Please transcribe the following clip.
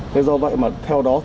thế do vậy mà theo đó